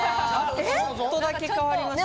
ちょっとだけ変わりました。